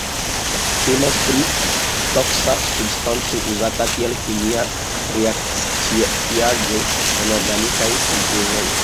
Temas pri toksa substanco uzata kiel kemia reakciaĵo en organikaj sintezoj.